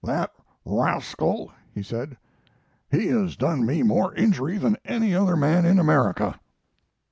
"That rascal?" he said, "He has done me more injury than any other man in America."